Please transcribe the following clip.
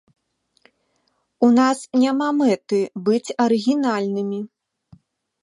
У нас няма мэты быць арыгінальнымі.